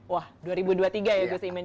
wah dua ribu dua puluh tiga ya gus imin